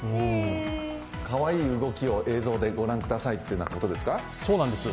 かわいい動きを映像で御覧くださいということですか？